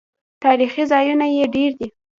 تاریخي ځایونه یې ډیر دي.